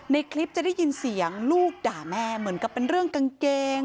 ในคลิปจะได้ยินเสียงลูกด่าแม่เหมือนกับเป็นเรื่องกางเกง